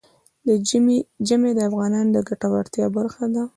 ژمی د افغانانو د ګټورتیا برخه ده.